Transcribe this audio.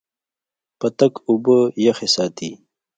پتک اوبه یخې ساتي.